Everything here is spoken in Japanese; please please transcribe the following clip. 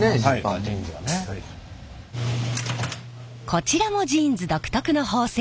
こちらもジーンズ独特の縫製技術。